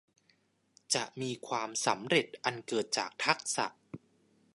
จะมีความสำเร็จอันเกิดจากทักษะ